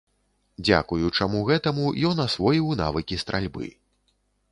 Дзякуючаму гэтаму ён асвоіў навыкі стральбы.